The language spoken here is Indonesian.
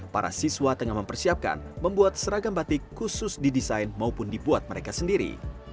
para siswa tengah mempersiapkan membuat seragam batik khusus didesain maupun dibuat mereka sendiri